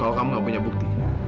kalau kamu gak punya bukti